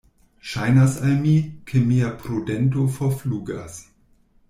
Ŝajnas al mi, ke mia prudento forflugas.